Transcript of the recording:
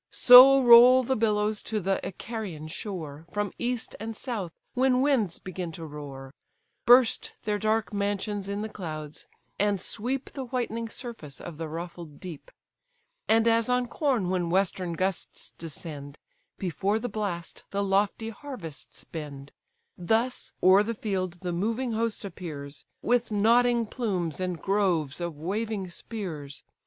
So roll the billows to the Icarian shore, From east and south when winds begin to roar, Burst their dark mansions in the clouds, and sweep The whitening surface of the ruffled deep. And as on corn when western gusts descend, Before the blast the lofty harvests bend: Thus o'er the field the moving host appears, With nodding plumes and groves of waving spears.